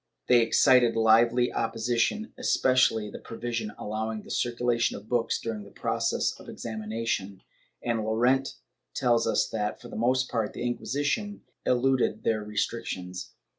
They excited Hvely opposition, especially the provision allowing the circulation of books during the process of exami nation, and Llorente tells us that, for the most part, the Inquisi tion eluded their restrictions.